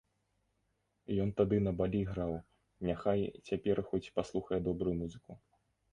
Ён тады на балі граў, няхай цяпер хоць паслухае добрую музыку.